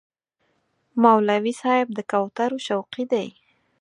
مولوي صاحب د کوترو شوقي دی.